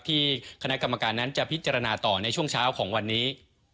ที่คณะกรรมการนั้นจะพิจารณาต่อในช่วงเช้าของวันนี้